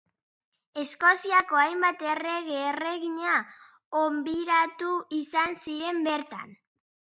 Eskoziako hainbat errege erregina hobiratu izan ziren bertan.